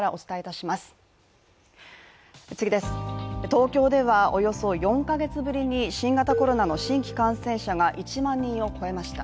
東京ではおよそ４カ月ぶりに新型コロナの新規感染者が１万人を超えました。